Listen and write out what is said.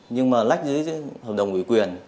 nhưng mà lách dưới hợp đồng ủy quyền